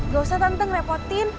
gak usah tante ngerepotin